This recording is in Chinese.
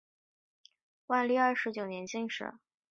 万历二十九年进士。